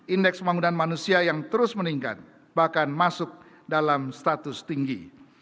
indeks pembangunan manusia yang terus meningkat bahkan masuk dalam status tinggi